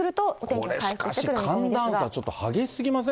これしかし、寒暖差ちょっとちょっと激しすぎません？